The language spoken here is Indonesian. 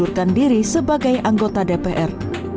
dan mengundurkan diri sebagai anggota dpr